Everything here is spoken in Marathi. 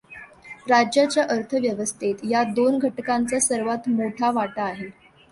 राज्याच्या अर्थव्यवस्थेत या दोन घटकांचा सर्वांत मोठा वाटा आहे.